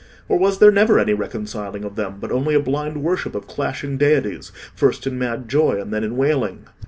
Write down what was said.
Or was there never any reconciling of them, but only a blind worship of clashing deities, first in mad joy and then in wailing?